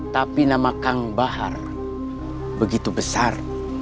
tapi nama kang bahar begitu besar